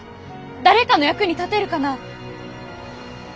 誰かの役に立てるかな？